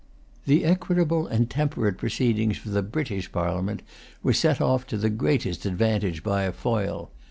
The equitable and temperate proceedings of the British Parliament were set off to the greatest advantage by a foil.